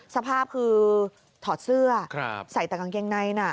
สภาพคือถอดเสื้อใส่แต่กางเกงในน่ะ